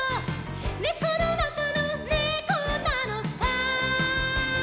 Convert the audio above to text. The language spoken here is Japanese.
「ねこのなかのねこなのさ」